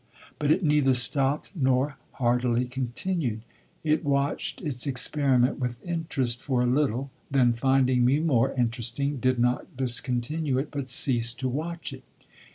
But it neither stopped nor hardily continued. It watched its experiment with interest for a little, then, finding me more interesting, did not discontinue it, but ceased to watch it.